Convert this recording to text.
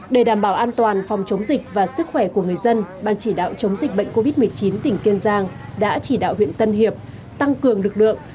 để đảm bảo an toàn phòng chống dịch và sức khỏe của người dân ban chỉ đạo chống dịch bệnh covid một mươi chín tỉnh kiên giang đã chỉ đạo huyện tân hiệp tăng cường lực lượng